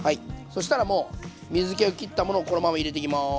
そしたらもう水けをきったものをこのまま入れていきます。